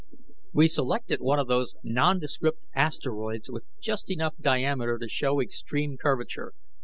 We selected one of those nondescript asteroids with just enough diameter to show extreme curvature.